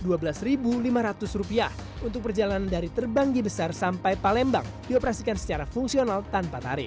dan tarif rp satu ratus dua belas lima ratus untuk perjalanan dari terbanggi besar sampai palembang dioperasikan secara fungsional tanpa tarif